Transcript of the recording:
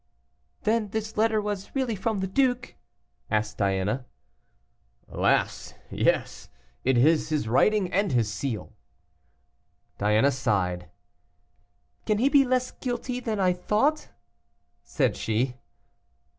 "Then this letter was really from the duke?" asked Diana. "Alas! yes; it is his writing and his seal." Diana sighed. "Can he be less guilty than I thought?" said she.